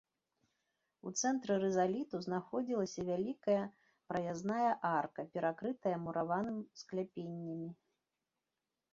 У цэнтры рызаліту знаходзілася вялікая праязная арка, перакрытая мураваным скляпеннямі.